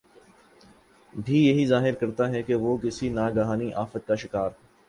بھی یہ ظاہر کرتا ہے کہ وہ کسی ناگہانی آفت کا شکار